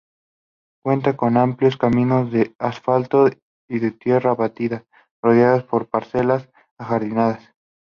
Cuenta con amplios caminos de asfalto y de tierra batida, rodeados por parcelas ajardinadas.